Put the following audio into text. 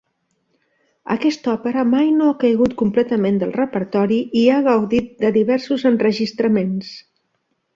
Aquesta òpera mai no ha caigut completament del repertori i ha gaudit de diversos enregistraments.